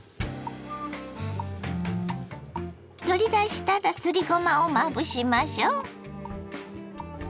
取り出したらすりごまをまぶしましょ。